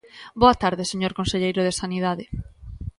Boa tarde, señor conselleiro de Sanidade.